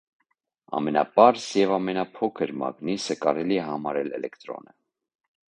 Ամենապարզ և ամենափոքր մագնիսը կարելի է համարել էլեկտրոնը։